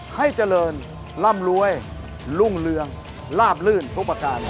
ให้เจริญร่ำรวยรุ่งเรืองลาบลื่นทุกประการ